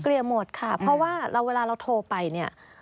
เกลี่ยหมดค่ะเพราะว่าเวลาเราโทรไป